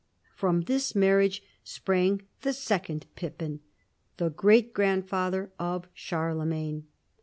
From this marriage sprang the second Pippin, the great grandfather of Charlemagne.